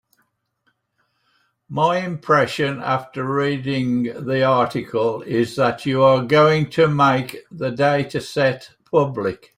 My impression after reading the article is that you are going to make the dataset public.